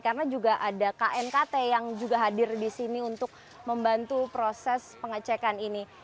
karena juga ada knkt yang juga hadir di sini untuk membantu proses pengecekan ini